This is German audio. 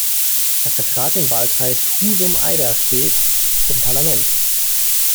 Er vertrat den Wahlkreis Husum-Eiderstedt im Parlament.